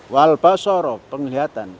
wal basarab penglihatan